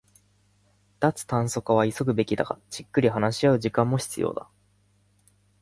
脱炭素化は急ぐべきだが、じっくり話し合う時間も必要だ